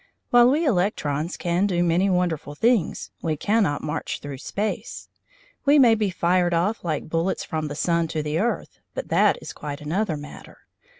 While we electrons can do many wonderful things, we cannot march through space. We may be fired off like bullets from the sun to the earth, but that is quite another matter.